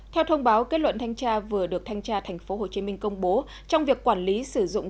theo thông báo kết luận thanh tra vừa được thanh tra tp hcm công bố trong việc quản lý sử dụng